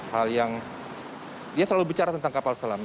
hal yang dia selalu bicara tentang kapal selam